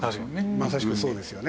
まさしくそうですよね。